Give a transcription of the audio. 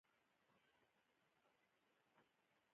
هغه ونه په کوم ځای کې ده چې سړی همیشه ژوندی وي.